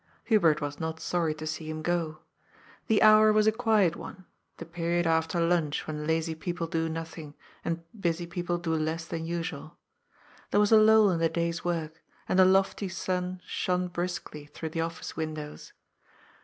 Hubert was not sorry to see him go. The hour was a quiet one, the period after lunch when lazy people do nothing, and busy people do less than usual. There was a lull in the day's work, and the lofty sun shone briskly through the Office windows.